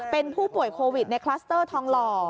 เป็นผู้ป่วยโควิดในคลัสเตอร์ทองหล่อ